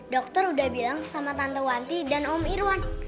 dokter udah bilang sama tante wanti dan om irwan